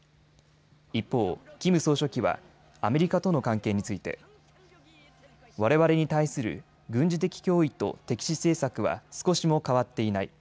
一方、キム総書記はアメリカとの関係についてわれわれに対する軍事的脅威と敵視政策は少しも変わっていない。